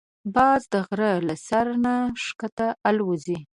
باز د غره له سر نه ښکته الوزي